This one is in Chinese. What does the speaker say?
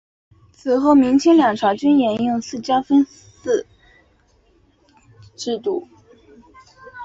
此后明清两朝均沿用四郊分祀制度。